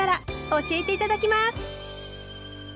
教えて頂きます。